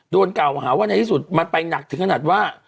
เก่าหาว่าในที่สุดมันไปหนักถึงขนาดว่า